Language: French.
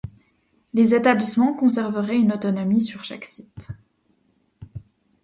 Les établissements conserveraient une autonomie sur chaque site.